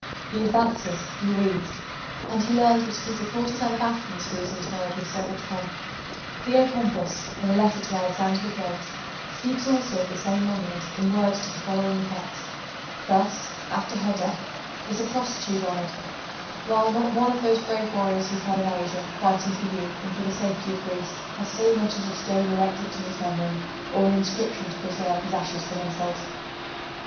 He advances, he reads, and he learns that it is a courtezan of Athens who is interred with so much pomp." Theopompus, in a letter to Alexander the Great, speaks also of the same monument in words to the following effect "Thus, after her death, is a prostitute honored; while not one of those brave warriors who fell in Asia, fighting for you, and for the safety of Greece, has so much as a stone erected to his memory, or an inscription to preserve his ashes from insult."